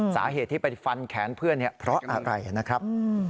สาเหตุที่ไปฟันแขนเพื่อนเนี่ยเพราะอะไรนะครับ